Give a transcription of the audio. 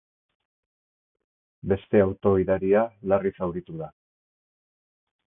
Beste auto-gidaria larri zauritu da.